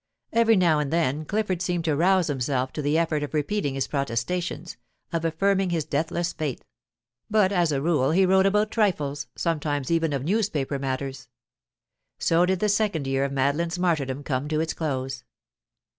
Every now and then Clifford seemed to rouse himself to the effort of repeating his protestations, of affirming his deathless faith; but as a rule he wrote about trifles, sometimes even of newspaper matters. So did the second year of Madeline's martyrdom come to its close.